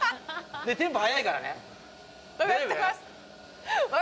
テンポ速いからね。